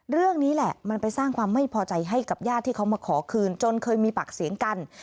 เรื่องนี้แหละมันไปสร้างความไม่พอใจให้กับญาติที่เขามาขอคืนจนเคยมีปากเสียงกัน